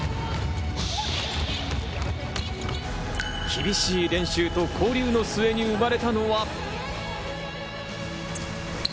厳しい練習と交流の末に生ま